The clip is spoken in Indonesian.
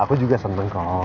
aku juga seneng kok